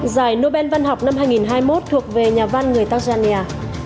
giải nobel văn học năm hai nghìn hai mươi một thuộc về nhà văn người tajania